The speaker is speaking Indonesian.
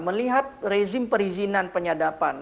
melihat rezim perizinan penyadapan